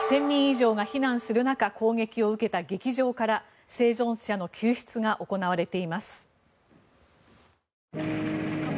１０００人以上が避難する中攻撃を受けた劇場から生存者の救出が行われています。